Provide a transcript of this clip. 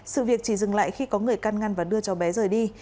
sự việc chỉ dừng lại khi có người căn ngăn và đưa cháu bé rời đi